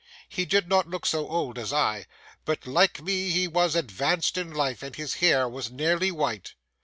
He did not look so old as I, but like me he was advanced in life, and his hair was nearly white.